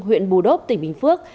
huyện bù đốc tỉnh bình phước